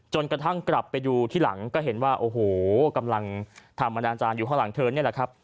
กระทั่งกลับไปดูที่หลังก็เห็นว่าโอ้โหกำลังทำอนาจารย์อยู่ข้างหลังเธอนี่แหละครับ